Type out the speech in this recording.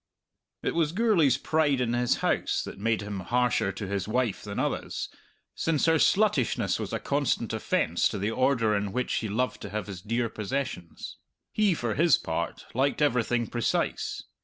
It was Gourlay's pride in his house that made him harsher to his wife than others, since her sluttishness was a constant offence to the order in which he loved to have his dear possessions. He, for his part, liked everything precise.